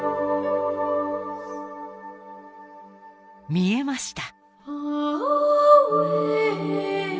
見えました。